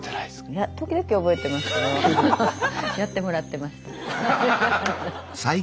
いや時々覚えてますけどやってもらってました。